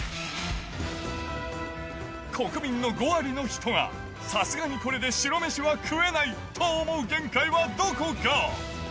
国民の５割の人が、さすがにこれで白飯は食えないと思う限界はどこか。